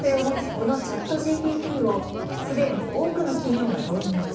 このＣｈａｔＧＰＴを既に多くの企業が導入。